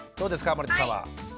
森田さんは。